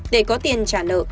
để có tiền trả nợ